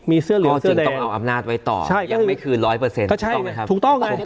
มีเสื้อเหลืองเสื้อแดงถูกต้องไหมครับถูกต้อง